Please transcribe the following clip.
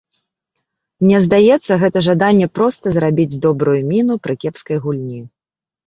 Мне здаецца, гэта жаданне проста зрабіць добрую міну пры кепскай гульні.